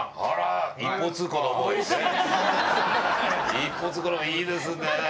一方通行のいいですね。